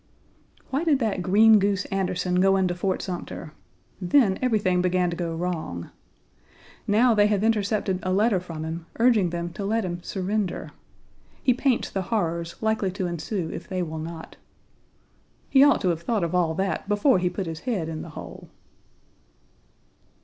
Why did that green goose Anderson go into Fort Sumter? Then everything began to go wrong. Now they have intercepted a letter from him urging them to let him surrender. Page 35 He paints the horrors likely to ensue if they will not. He ought to have thought of all that before he put his head in the hole.